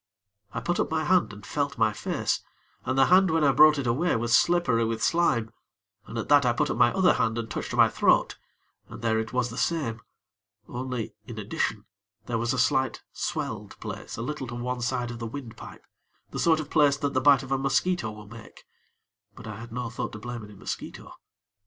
I put up my hand and felt my face, and the hand when I brought it away was slippery with slime, and at that, I put up my other hand, and touched my throat, and there it was the same, only, in addition, there was a slight swelled place a little to one side of the wind pipe, the sort of place that the bite of a mosquito will make; but I had no thought to blame any mosquito.